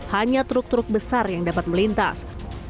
hanya truk truk besar yang dapat melintas